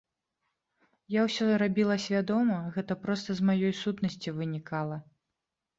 Я ўсё рабіла свядома, гэта проста з маёй сутнасці вынікала.